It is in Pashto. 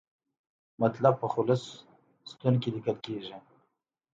مطلب په خلص ستون کې لیکل کیږي.